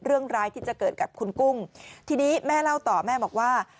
เรื่องร้ายที่จะเกิดกับคุณกุ้งทีนี้แม่เล่าต่อแม่บอกว่า